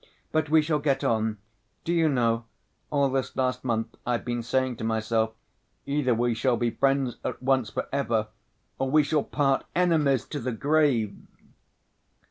But we shall get on. Do you know, all this last month, I've been saying to myself, 'Either we shall be friends at once, for ever, or we shall part enemies to the grave!